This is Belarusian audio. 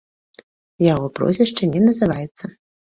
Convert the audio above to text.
Яго прозвішча не называецца.